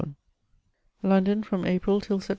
283 London, from April till Sept.